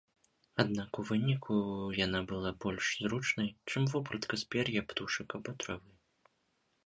Аднак у выніку яна была больш зручнай, чым вопратка з пер'я птушак або травы.